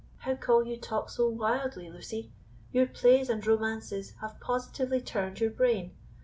"How call you talk so wildly, Lucy? Your plays and romances have positively turned your brain.